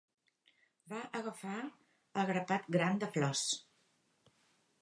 Va agafar el grapat gran de flors.